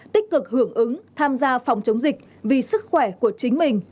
tích cực hưởng ứng tham gia phòng chống dịch vì sức khỏe của chính mình